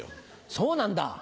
そうなんだ。